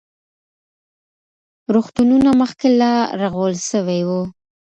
روغتونونه مخکې لا رغول سوي وو.